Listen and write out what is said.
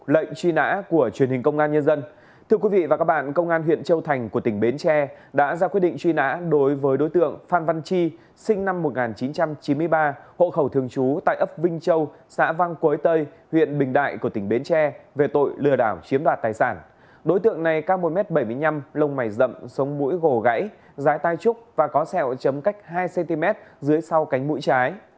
lông mày rậm sống mũi gồ gãy rái tai trúc và có sẹo chấm cách hai cm dưới sau cánh mũi trái